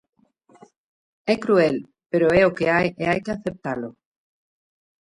É cruel, pero é o que hai e hai que aceptalo.